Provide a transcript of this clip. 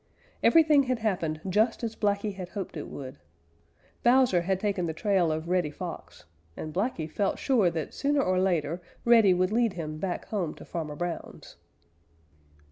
Everything had happened just as Blacky had hoped it would. Bowser had taken the trail of Reddy Fox, and Blacky felt sure that sooner or later Reddy would lead him back home to Farmer Brown's.